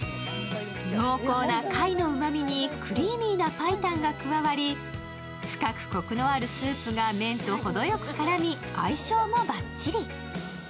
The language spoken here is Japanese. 濃厚な貝のうまみにクリーミーなパイタンが加わり深くこくのあるスープが麺と絡み相性もばっちり。